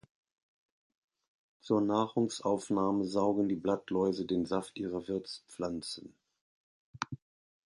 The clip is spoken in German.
Zur Nahrungsaufnahme saugen die Blattläuse den Saft ihrer Wirtspflanzen.